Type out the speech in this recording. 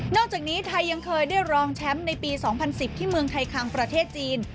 อกจากนี้ไทยยังเคยได้รองแชมป์ในปี๒๐๑๐ที่เมืองไทยคังประเทศจีน